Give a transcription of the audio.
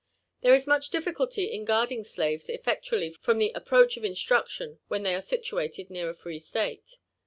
There ta much difficulty in guarding slaves effectually from the approach of instruction when they are situated near a free State.